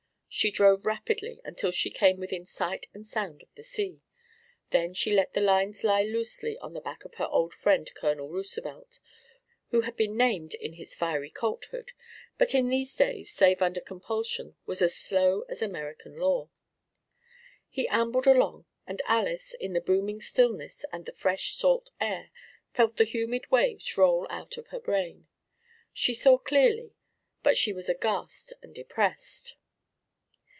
She drove rapidly until she came within sight and sound of the sea. Then she let the lines lie loosely on the back of her old friend Colonel Roosevelt, who had been named in his fiery colt hood, but in these days, save under compulsion, was as slow as American law. He ambled along, and Alys, in the booming stillness and the fresh salt air, felt the humid waves roll out of her brain. She saw clearly, but she was aghast and depressed.